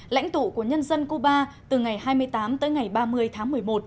lãnh tụ của nhân dân cuba từ ngày hai mươi tám tới ngày ba mươi tháng một mươi một